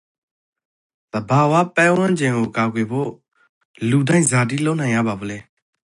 သဘာဝပတ်ဝန်းကျင်ကိုကာကွယ်ဖို့လူတိုင်းဇာတိ လုပ်နိုင်ရပါဖို့လဲ?